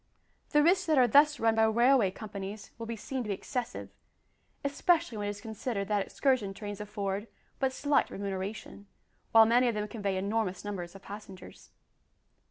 The risks that are thus run by railway companies will be seen to be excessive, especially when it is considered that excursion trains afford but slight remuneration, while many of them convey enormous numbers of passengers.